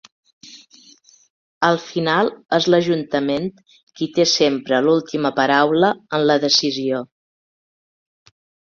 Al final és l’ajuntament qui té sempre l’última paraula en la decisió.